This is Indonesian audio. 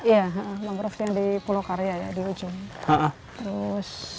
iya mangrove yang di pulau karya ya di ujung